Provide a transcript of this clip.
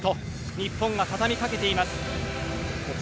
日本が畳みかけています。